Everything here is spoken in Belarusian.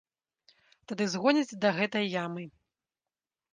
Тады згоняць да гэтай ямы.